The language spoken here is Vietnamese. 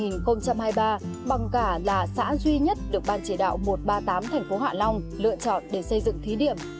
năm hai nghìn hai mươi ba bằng cả là xã duy nhất được ban chỉ đạo một trăm ba mươi tám tp hạ long lựa chọn để xây dựng thí điểm